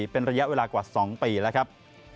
เป็นระยะเวลากว่า๒ปีแล้วครับ